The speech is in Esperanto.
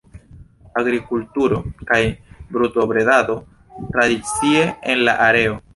Agrikulturo kaj brutobredado tradicie en la areo.